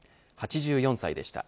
８４歳でした。